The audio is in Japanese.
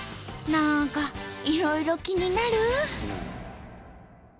なんかいろいろ気になる！